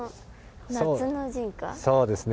そうですね。